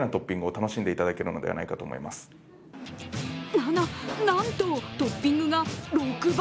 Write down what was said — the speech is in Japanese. な、な、なんと、トッピングが６倍？！